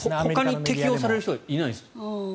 ほかに適用される人いないんですか？